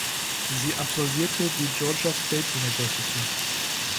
Sie absolvierte die Georgia State University.